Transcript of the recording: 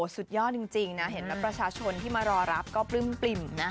สุดยอดจริงนะเห็นไหมประชาชนที่มารอรับก็ปลื้มปริ่มนะ